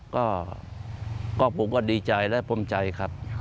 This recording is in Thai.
ก็ผมก็ดีใจและภูมิใจครับ